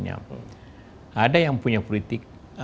ada yang punya politik